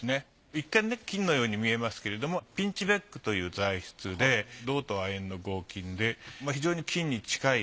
一見ね金のように見えますけれどもピンチベックという材質で銅と亜鉛の合金で非常に金に近い光沢それから錆びにくいということで